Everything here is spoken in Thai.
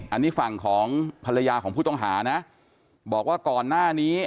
อันนี้ฝั่งของภรรยาของผู้ต้องหานะบอกว่าก่อนหน้านี้